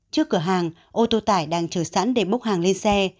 trước cửa hàng ô tô tải đang chờ sẵn để bốc hàng lên xe